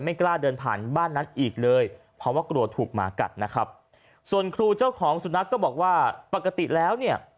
กล้าเดินผ่านบ้านนั้นอีกเลยเพราะว่ากลัวถูกหมากัดนะครับส่วนครูเจ้าของสุนัขก็บอกว่าปกติแล้วเนี่ย